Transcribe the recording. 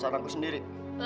nang cost kudiri